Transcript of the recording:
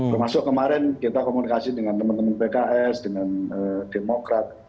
termasuk kemarin kita komunikasi dengan teman teman pks dengan demokrat